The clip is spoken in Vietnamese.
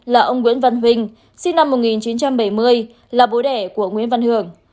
là ông nguyễn văn huỳnh sinh năm một nghìn chín trăm bảy mươi là bố đẻ của nguyễn văn hưởng